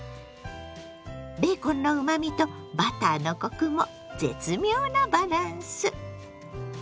ベーコンのうまみとバターのコクも絶妙なバランス！